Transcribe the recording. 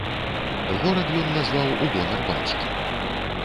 Горад ён назваў у гонар бацькі.